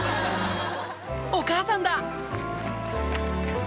「お母さんだ！」